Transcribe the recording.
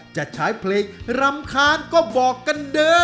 จะใช้เพลงรำคาญก็บอกกันเด้อ